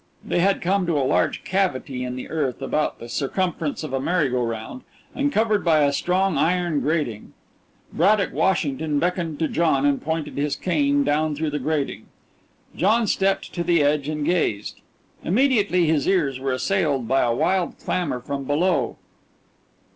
They had come to a large cavity in the earth about the circumference of a merry go round, and covered by a strong iron grating. Braddock Washington beckoned to John, and pointed his cane down through the grating. John stepped to the edge and gazed. Immediately his ears were assailed by a wild clamor from below.